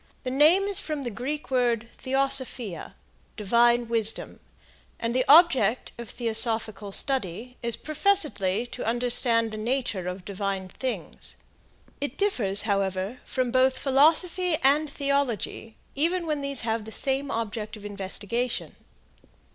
The name is from the Greek word theosophia divine wisdom and the object of theosophical study is professedly to understand the nature of divine things. It differs, however, from both philosophy and theology even when these have the same object of investigation.